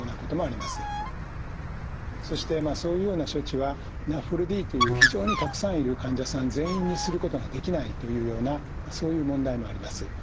そしてそういうような処置はＮＡＦＬＤという非常にたくさんいる患者さん全員にすることができないというようなそういう問題もあります。